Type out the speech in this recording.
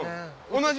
同じ？